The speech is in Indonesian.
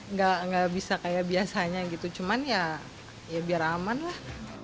nggak bisa kayak biasanya gitu cuman ya biar aman lah